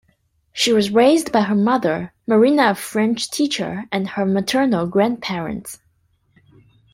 She was raised by her mother, Marina-a French teacher-and her maternal grandparents.